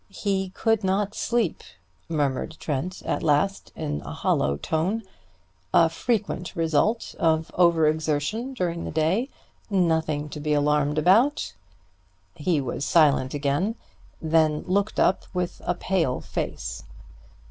"He could not sleep!" murmured Trent at last in a hollow tone. "A frequent result of over exertion during the day. Nothing to be alarmed about." He was silent again, then looked up with a pale face.